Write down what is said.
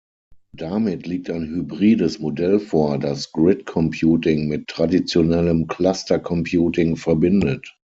Damit liegt ein hybrides Modell vor, das Grid-Computing mit traditionellem Cluster-Computing verbindet.